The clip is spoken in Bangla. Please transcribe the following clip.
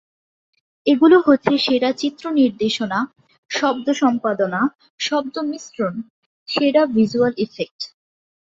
এগুলো হচ্ছে সেরা চিত্র নির্দেশনা, শব্দ সম্পাদনা, শব্দ মিশ্রণ, সেরা ভিজুয়াল ইফেক্ট।